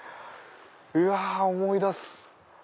うわ思い出す！